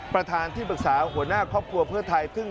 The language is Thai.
ประธานที่ปรึกษาหัวหน้าครอบครัวเพื่อไทย